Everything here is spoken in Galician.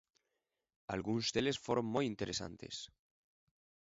Algúns deles foron moi interesantes.